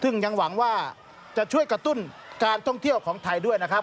ซึ่งยังหวังว่าจะช่วยกระตุ้นการท่องเที่ยวของไทยด้วยนะครับ